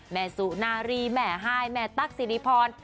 แม่สุนารีแม่ฮายแม่ตั๊กสิริพร